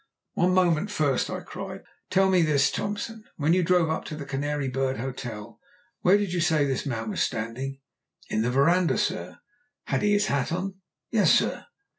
"One moment first," I cried. "Tell me this, Thompson: when you drove up to the Canary Bird Hotel where did you say this man was standing?" "In the verandah, sir." "Had he his hat on?" "Yes, sir."